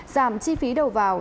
giảm chi phí đầu vào